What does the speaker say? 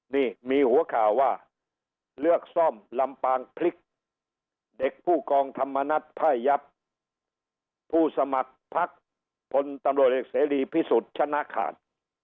นี่มีหัวข่าวว่าเลือกซ่อมลำปางพลิกเด็กผู้กองธรรมนัฐไพ่ยับผู้สมัครพักพลตำรวจเอกเสรีพิสุทธิ์ชนะขาด